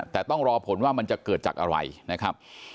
แต่ต้องรอผลว่ามันจะเกิดจากอะไรนะครับ